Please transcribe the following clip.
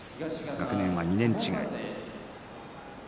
学年は２年違い。